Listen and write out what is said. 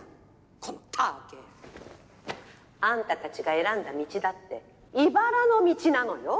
このたーけ！あんたたちが選んだ道だっていばらの道なのよ？